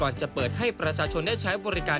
จะเปิดให้ประชาชนได้ใช้บริการ